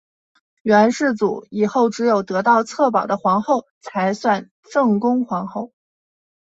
元世祖以后只有得到策宝的皇后才算正宫皇后。